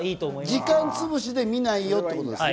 時間つぶしで見ないよということですね。